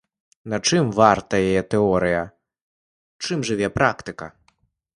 На чым варта яе тэорыя, чым жыве практыка?